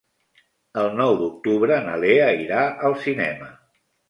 El nou d'octubre na Lea irà al cinema.